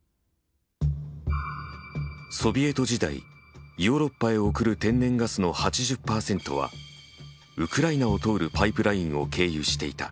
ソビエト時代ヨーロッパへ送る天然ガスの８０％はウクライナを通るパイプラインを経由していた。